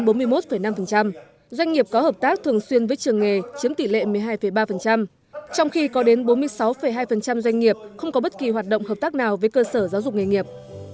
doanh nghiệp có hợp tác thường xuyên với trường nghề chiếm tỷ lệ một mươi hai ba trong khi có đến bốn mươi sáu hai doanh nghiệp không có bất kỳ hoạt động hợp tác nào với cơ sở giáo dục nghề nghiệp